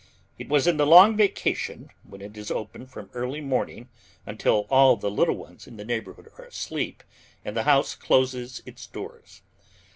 It was in the long vacation when it is open from early morning until all the little ones in the neighborhood are asleep and the house closes its doors.